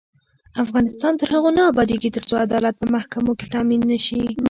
افغانستان تر هغو نه ابادیږي، ترڅو عدالت په محکمو کې تامین نشي.